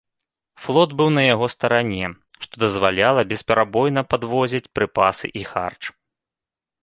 Флот быў на яго старане, што дазваляла бесперабойна падвозіць прыпасы і харч.